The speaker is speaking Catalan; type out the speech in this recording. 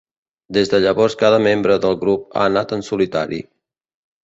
Des de llavors cada membre del grup ha anat en solitari.